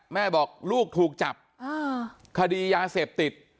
แม่บอกลูกถูกจับคดียาเสพติด